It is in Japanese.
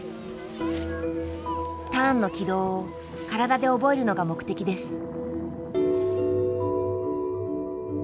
ターンの軌道を体で覚えるのが目的です。